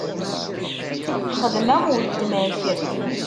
Xdem am uletma-k.